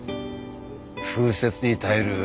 風雪に耐える